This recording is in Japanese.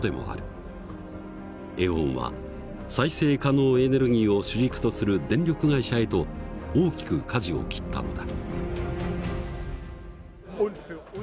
エーオンは再生可能エネルギーを主軸とする電力会社へと大きくかじを切ったのだ。